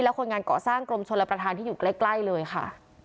และคนงานเกาะสร้างกรมชลประธานที่อยู่ใกล้เลยค่ะ